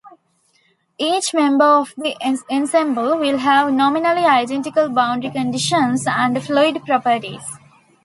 Each member of the ensemble will have nominally identical boundary conditions and fluid properties.